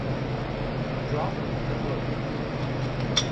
He dropped a book.